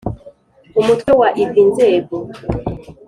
Umutwe wa iv inzego